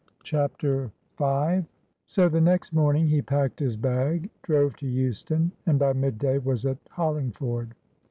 CHAPTER V So next morning he packed his bag, drove to Euston, and by mid day was at Hollingford.